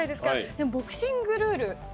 でもボクシングルール。